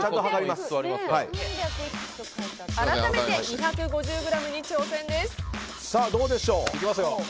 改めて２５０ｇに挑戦です。